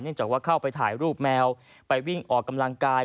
จากว่าเข้าไปถ่ายรูปแมวไปวิ่งออกกำลังกาย